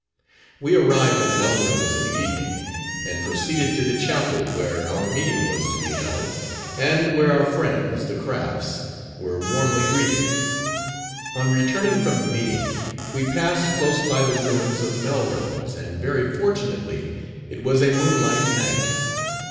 We arrived at Melrose in the evening, and proceeded to the chapel where our meeting was to be held, and where our friends, the Crafts, were warmly greeted. On returning from the meeting, we passed close by the ruins of Melrose, and, very fortunately, it was a moonlight night.